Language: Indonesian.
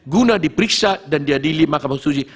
yang bisa dan diadili makam konstitusi